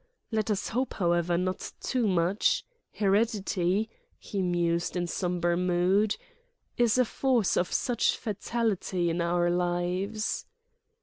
"Let us hope, however, not too much. Heredity," he mused in sombre mood, "is a force of such fatality in our lives...."